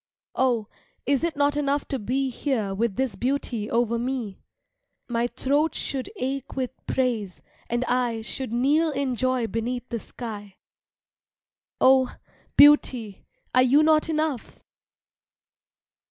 Oh, is it not enough to be Here with this beauty over me? My throat should ache with praise, and I Should kneel in joy beneath the sky. Oh, beauty are you not enough?